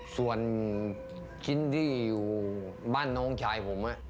ส่วนชิ้นที่อยู่บ้านน้องชายผม